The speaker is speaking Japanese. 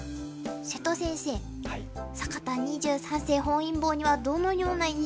瀬戸先生坂田二十三世本因坊にはどのような印象を持っていますか？